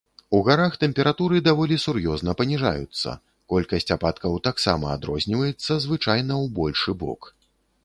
У гарах тэмпературы даволі сур'ёзна паніжаюцца, колькасць ападкаў таксама адрозніваецца, звычайна ў большы бок.